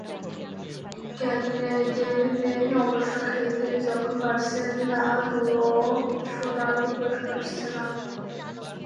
ক্যালদেরনে অবশ্য খেলতেই যখন পারছেন না, দুয়ো শোনারও প্রশ্ন আসছে না।